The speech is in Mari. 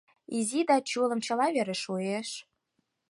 Изи да чулым, чыла вере шуэш.